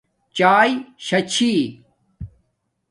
چاݵے شاہ چھی